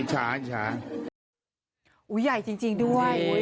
หุ้ยยายจริงดูนะ